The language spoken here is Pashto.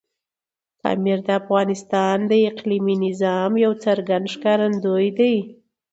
پامیر د افغانستان د اقلیمي نظام یو څرګند ښکارندوی دی.